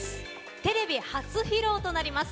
テレビ初披露となります